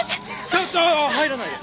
ちょっと入らないで！